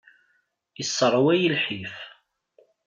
Yesseṛwa-iyi lḥif.